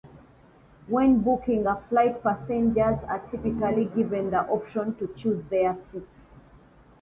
When booking a flight, passengers are typically given the option to choose their seats.